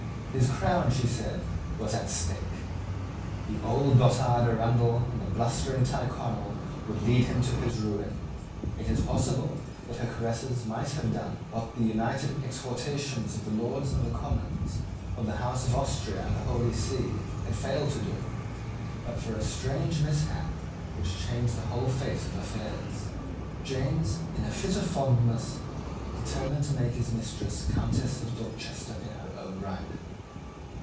His crown, she said, was at stake: the old dotard Arundell and the blustering Tyrconnel would lead him to his ruin. It is possible that her caresses might have done what the united exhortations of the Lords and the Commons, of the House of Austria and the Holy See, had failed to do, but for a strange mishap which changed the whole face of affairs. James, in a fit of fondness, determined to make his mistress Countess of Dorchester in her own right.